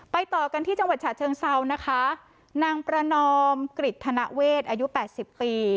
ไปต่อกันที่จังหวัดฉาเชิงเศร้านางประนอมกริจธนเวชอายุ๘๐ปี